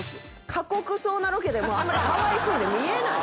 過酷そうなロケでもあんまりかわいそうに見えない。